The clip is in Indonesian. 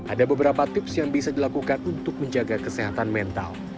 ada beberapa tips yang bisa dilakukan untuk menjaga kesehatan mental